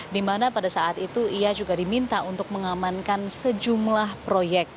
di mana pada saat itu ia juga diminta untuk mengamankan sejumlah proyek